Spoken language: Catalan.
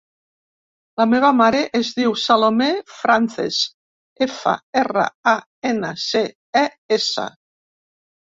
La meva mare es diu Salomé Frances: efa, erra, a, ena, ce, e, essa.